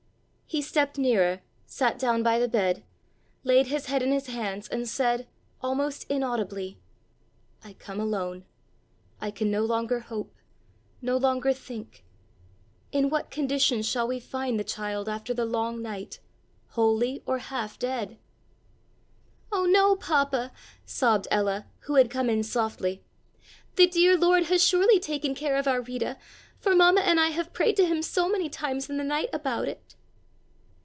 He stepped nearer, sat down by the bed, laid his head in his hands and said, almost inaudibly: "I come alone. I can no longer hope, no longer think. In what condition shall we find the child after the long night, wholly or half dead?" "Oh, no, Papa," sobbed Ella, who had come in softly, "the dear Lord has surely taken care of our Rita, for Mamma and I have prayed to him so many times in the night about it."